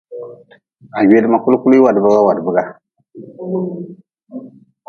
Ha gweedma kulkuli wadbiga wadbiga.